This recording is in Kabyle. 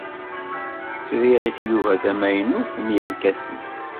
Sriɣ i tyuga tamaynut n yerkasen.